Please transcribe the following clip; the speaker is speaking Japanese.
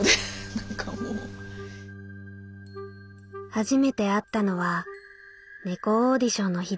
「初めて会ったのは猫オーディションの日である。